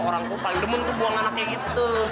orangku paling demon tuh buang anaknya gitu